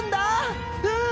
うん！